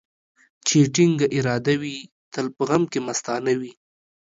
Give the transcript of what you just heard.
چي يې ټينگه اراده وي ، تل په غم کې مستانه وي.